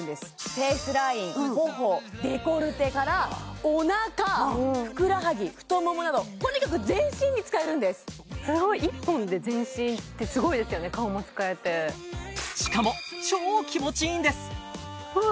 フェイスライン頬デコルテからおなかふくらはぎ太ももなどとにかく全身に使えるんですすごい顔も使えてしかも超気持ちいいんですわあ